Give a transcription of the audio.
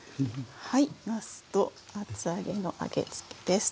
はい「なすと厚揚げの揚げづけ」です。